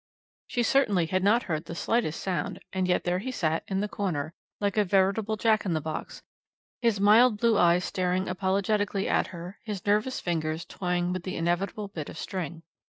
She certainly had not heard the slightest sound, and yet there he sat, in the corner, like a veritable Jack in the box, his mild blue eyes staring apologetically at her, his nervous fingers toying with the inevitable bit of string.